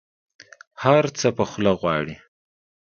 هر څه په خوله غواړي.